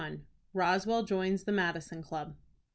ROSWELL JOINS THE MADISON CLUB.